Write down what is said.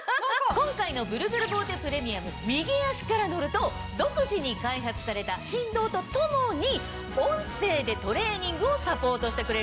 今回のブルブルボーテプレミアム右足から乗ると独自に開発された振動とともに音声でトレーニングをサポートしてくれるんです。